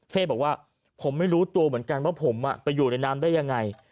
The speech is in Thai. บอกว่าผมไม่รู้ตัวเหมือนกันว่าผมไปอยู่ในน้ำได้ยังไง